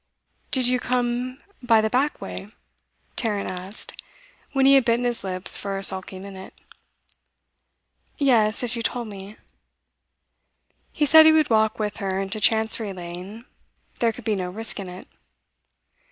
'Did you come by the back way?' Tarrant asked, when he had bitten his lips for a sulky minute. 'Yes, as you told me.' He said he would walk with her into Chancery Lane; there could be no risk in it.